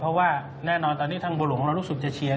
เพราะว่าแน่นอนตอนนี้ทางบัวหลวงของเรารู้สึกจะเชียร์